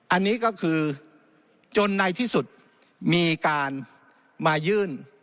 อันนี้ก็คือจนในที่สุดมีการมายื่น